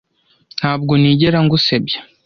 Ntabwo nigera ngusebya.